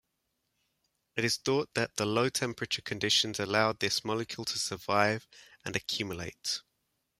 It is thought that the low-temperature conditions allow this molecule to survive and accumulate.